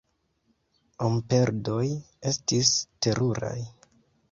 Homperdoj estis teruraj.